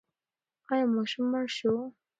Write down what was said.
ایا ماشوم مړ شو؟